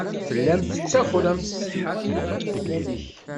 Tellamt tettakremt.